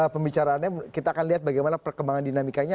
pembicaraannya kita akan lihat bagaimana perkembangan dinamikanya